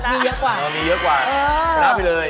ชนะไปเลย